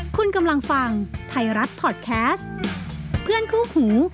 คุณกำลังฟังไทยรัฐพอร์ตแคสต์เพื่อนคู่หู